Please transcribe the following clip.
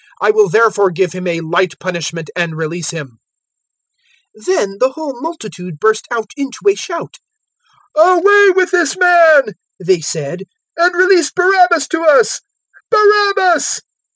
023:016 I will therefore give him a light punishment and release him." 023:017 [] 023:018 Then the whole multitude burst out into a shout. "Away with this man," they said, "and release Barabbas to us" 023:019 Barabbas!